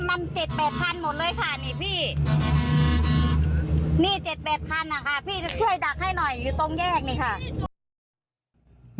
นี่๗๘คันนะคะพี่ช่วยดักให้หน่อยอยู่ตรงแยกนี่ค่ะ